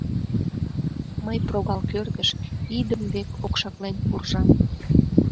Мый прогал кӧргыш, идым век, окшаклен куржам.